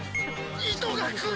糸が来る！